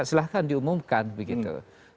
silahkan diumumkan begitu